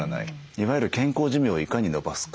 いわゆる健康寿命をいかにのばすか。